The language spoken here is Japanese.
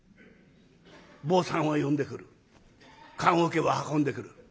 坊さんを呼んでくる棺おけを運んでくる。